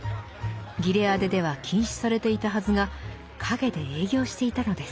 ギレアデでは禁止されていたはずが陰で営業していたのです。